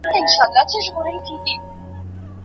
که یو څېړونکی یوه موضوع را اخلي باید مخینه یې وګوري.